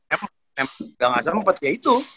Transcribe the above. emang gak serempet ya itu